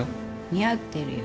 似合ってるよ。